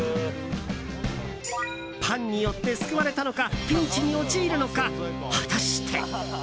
パンによって救われたのかピンチに陥るのか、果たして。